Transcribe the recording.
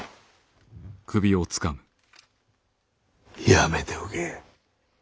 やめておけ。